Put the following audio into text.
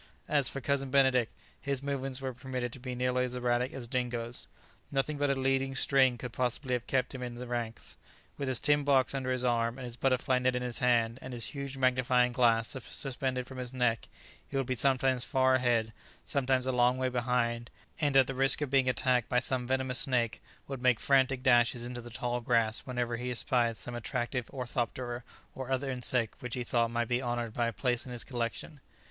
As for Cousin Benedict, his movements were permitted to be nearly as erratic as Dingo's; nothing but a leading string could possibly have kept him in the ranks. With his tin box under his arm, and his butterfly net in his hand, and his huge magnifying glass suspended from his neck, he would be sometimes far ahead, sometimes a long way behind, and at the risk of being attacked by some venomous snake, would make frantic dashes into the tall grass whenever he espied some attractive orthoptera or other insect which he thought might be honoured by a place in his collection.